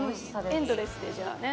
エンドレスで、じゃあね。